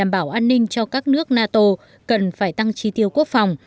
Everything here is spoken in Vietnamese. bảo an ninh cho các nước nato cần phải tăng tri tiêu quốc phòng